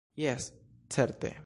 Jes, certe!